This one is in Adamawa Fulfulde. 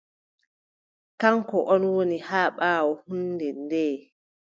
Kaŋko ɗon woni haa ɓaawo hunnde nde.